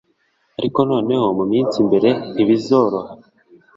Ariko noneho mu minsi mbere ntibizoroha